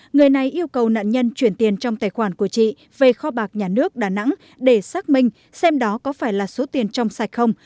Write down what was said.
người này yêu cầu nạn nhân chuyển tiền trong tài khoản của chị về kho bạc nhà nước đà nẵng để xác minh xem đó có phải là số tiền trong sạch không